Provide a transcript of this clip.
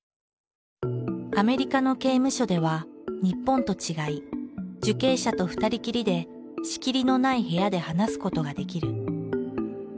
アメリカの刑務所では日本と違い受刑者と２人きりで仕切りのない部屋で話すことができる。